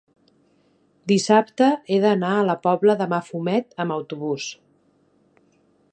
dissabte he d'anar a la Pobla de Mafumet amb autobús.